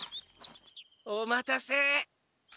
お待たせ。